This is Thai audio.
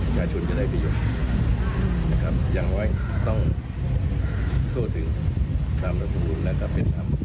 ชาชุนจะได้ประโยชน์ยังไว้ต้องโทษถึงตามรัฐบุญและศัพท์ทำ